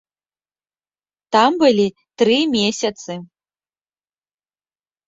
Там былі тры месяцы.